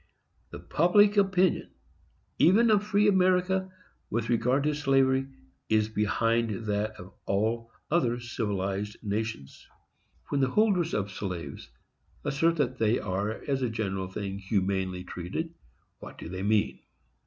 The public opinion even of free America, with regard to slavery, is behind that of all other civilized nations. When the holders of slaves assert that they are, as a general thing, humanely treated, what do they mean?